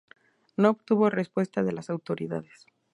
No obtuvo respuesta de las autoridades.